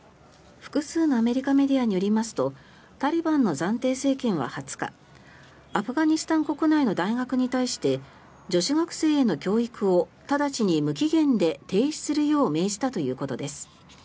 複数のアメリカメディアによりますとタリバンの暫定政権は２０日アフガニスタン国内の大学に対して女子学生への教育を直ちに無期限で停止するよう命じたということです。